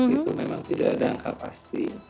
itu memang tidak ada angka pasti